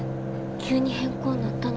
急に変更になったのに。